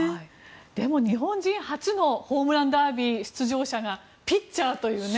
でも、日本人初のホームランダービー出場者がピッチャーというね。